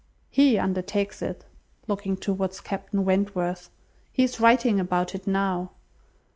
He undertakes it;" (looking towards Captain Wentworth,) "he is writing about it now."